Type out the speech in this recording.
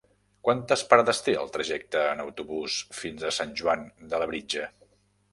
Quantes parades té el trajecte en autobús fins a Sant Joan de Labritja?